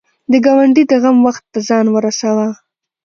د ګاونډي د غم وخت ته ځان ورسوه